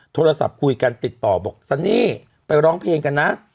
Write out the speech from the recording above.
โทรศัพท์คุยกันติดต่อบอกซันนี่ไปร้องเพลงกันนะ